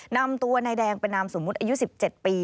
นำตัวนายแดงเป็นนามสมมุติอายุ๑๗ปี